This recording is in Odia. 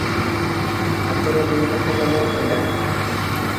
ଆଗରେ ଦୁଇହାତ ଲମ୍ବ ପିଣ୍ତା ।